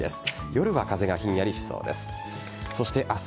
夜は風がひんやりしそうです。